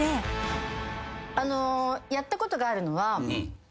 やったことがあるのは。